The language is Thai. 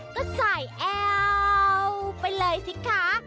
ก็ใส่แอลไปเลยสิคะ